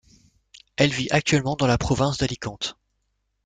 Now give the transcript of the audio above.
Elle vit actuellement dans la province d'Alicante.